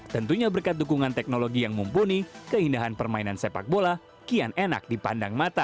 tentunya berkat dukungan teknologi yang mumpuni keindahan permainan sepak bola kian enak dipandang mata